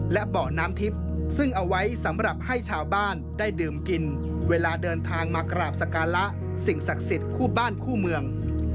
และเบาะน้ำทิพย์ซึ่งเอาไว้สำหรับให้ชาวบ้านได้ดื่มกินเวลาเดินทางมากราบสการะสิ่งศักดิ์สิทธิ์คู่บ้านคู่เมือง